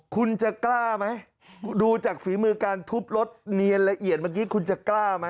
คุณจะกล้าไหมดูจากฝีมือการทุบรถเนียนละเอียดเมื่อกี้คุณจะกล้าไหม